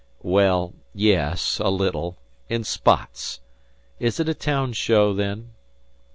"Well yes. A little. In spots. Is it a town show, then?"